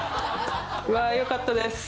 うわー、よかったです。